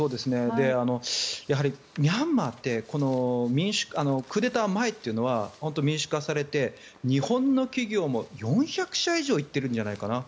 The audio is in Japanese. やはりミャンマーってクーデター前というのは民主化されて日本の企業も４００社以上行っているんじゃないかな。